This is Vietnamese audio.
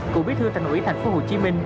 cụ biết thưa thành ủy tp hcm